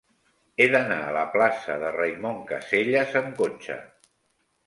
He d'anar a la plaça de Raimon Casellas amb cotxe.